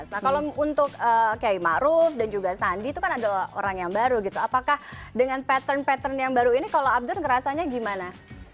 nah kalau untuk kiai ⁇ maruf ⁇ dan juga sandi itu kan ada orang yang baru gitu apakah dengan pattern pattern yang baru ini kalau abdur ngerasanya gimana